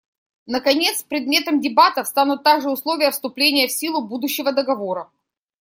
Наконец, предметом дебатов станут также условия вступления в силу будущего договора.